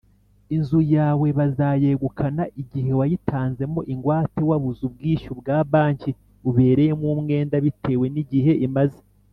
inzu yawe bazayegukana igihe wayitanzemo ingwate wabuze ubwishyu bwa banki ubereyemo umwenda bitewe nigihe imaze